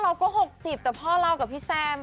ใช่คือพ่อเราก็๖๐แต่พ่อเรากับพี่แซม